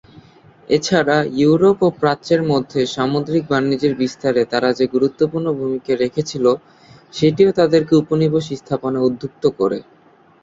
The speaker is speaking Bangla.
এছাড়া ইউরোপ ও প্রাচ্যের মধ্যে সামুদ্রিক বাণিজ্যের বিস্তারে তারা যে গুরুত্বপূর্ণ ভূমিকা রেখেছিল, সেটিও তাদেরকে উপনিবেশ স্থাপনে উদ্বুদ্ধ করে।